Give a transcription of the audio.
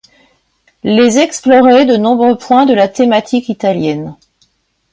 Les exploraient de nombreux points de la thématique italienne.